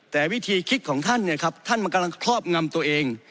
แต่วิธีคิดของท่านเนี่ยครับท่านมันกำลังครอบงำตัวเอง